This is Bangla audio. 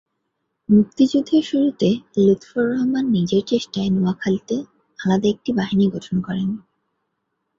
মুক্তিযুদ্ধের শুরুতে লুৎফর রহমান নিজের চেষ্টায় নোয়াখালীতে আলাদা একটি বাহিনী গঠন করেন।